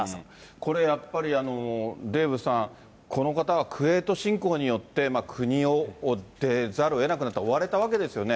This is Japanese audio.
これやっぱり、デーブさん、この方はクウェート侵攻によって、国を出ざるをえなくなった、追われたわけですよね。